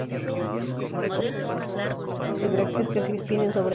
Poseen escamas estrechas y brácteas que se extienden sobre ellas.